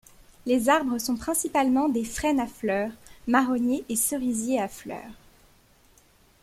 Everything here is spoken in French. Les arbres sont principalement des frênes à fleurs, marronniers et cerisiers à fleurs.